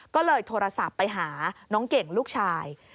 ก็เลยโทรศัพท์ไปหาน้องเก่งลูกชาย